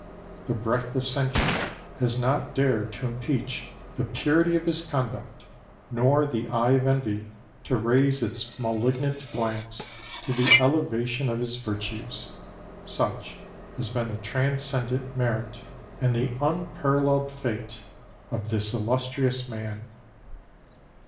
The breath of censure has not dared to impeach the purity of his conduct, nor the eye of envy to raise its malignant glance to the elevation of his virtues. Such has been the transcendent merit and the unparalleled fate of this illustrious man